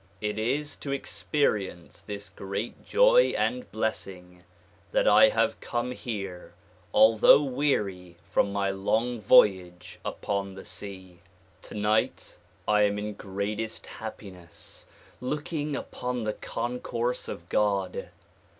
It is to experience this great joy and blessing that 1 have come here although weary from my long voyage upon the sea. Tonight I am in greatest happiness, looking upon this concourse of God.